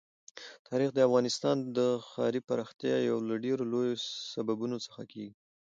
تاریخ د افغانستان د ښاري پراختیا یو له ډېرو لویو سببونو څخه کېږي.